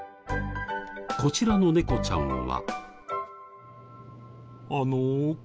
こちらの猫ちゃんは。